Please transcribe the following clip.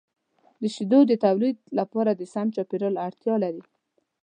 د شیدو د تولید لپاره د سم چاپیریال اړتیا لري.